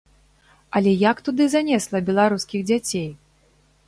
Але як туды занесла беларускіх дзяцей?